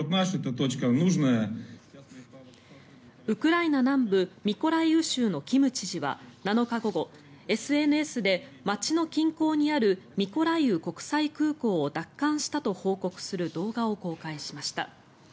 ウクライナ南部ミコライウ州のキム知事は７日午後、ＳＮＳで街の近郊にあるミコライウ国際空港を奪還したと報告する動画を公開しました。